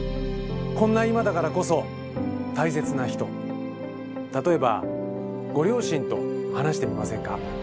こんな今だからこそ大切な人例えばご両親と話してみませんか？